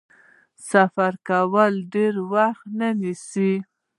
سفر کول ډیر وخت نیسي.